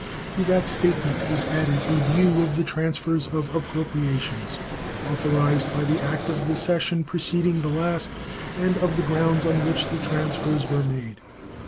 To that statement is added a view of the transfers of appropriations authorized by the act of the session preceding the last and of the grounds on which the transfers were made.